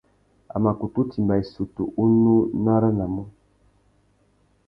A mà kutu timba issutu unú nù aranamú.